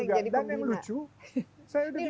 ini luar biasa nih pembina dua kelenteng